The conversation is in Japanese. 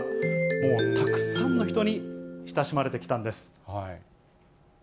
もうたくさんの人に親しまれてきたんです。